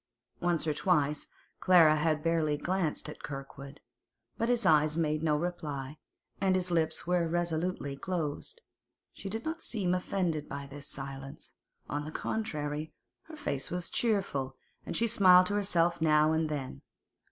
Once or twice Clara had barely glanced at Kirkwood, but his eyes made no reply, and his lips were resolutely closed. She did not seem offended by this silence; on the contrary, her face was cheerful, and she smiled to herself now and then.